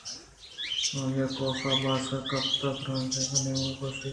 آئیءَ کاف ءِ باسک گپت ءُدروازگ ءِ نیمگ ءَ کش اِت